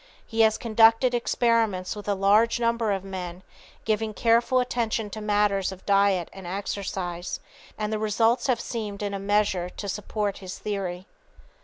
He has conducted experiments with a large number of men, giving careful attention to matters of diet and exercise, and the results have seemed in a measure to support his theory.